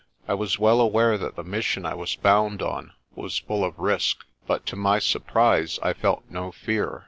I was well aware that the mission I was bound on was full of risk; but to my sur prise I felt no fear.